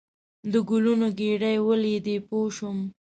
د ګلونو ګېدۍ ولیدې پوه شوم.